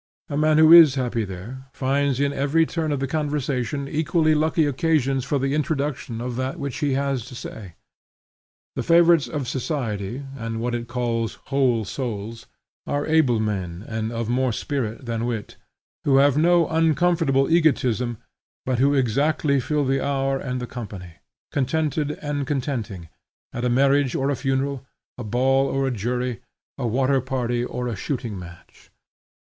A man who is happy there, finds in every turn of the conversation equally lucky occasions for the introduction of that which he has to say. The favorites of society, and what it calls whole souls, are able men and of more spirit than wit, who have no uncomfortable egotism, but who exactly fill the hour and the company; contented and contenting, at a marriage or a funeral, a ball or a jury, a water party or a shooting match.